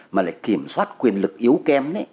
mà lại kiểm soát quyền lực yếu kém